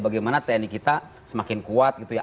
bagaimana tni kita semakin kuat gitu ya